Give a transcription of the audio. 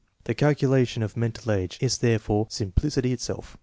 The calculation of mental age is therefore simplicity itself.